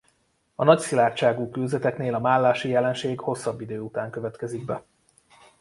A nagy szilárdságú kőzeteknél a mállási jelenség hosszabb idő után következik be.